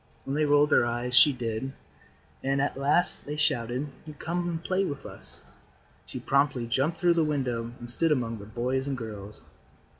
When they rolled their eyes she did, and at last they shouted: "Come and play with us." She promptly jumped through the window and stood among the boys and girls.